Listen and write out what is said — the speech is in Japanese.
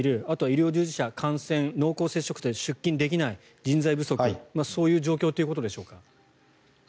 あとは医療従事者が感染、濃厚接触者で出勤できない、人材不足そういう状況ということでしょうか。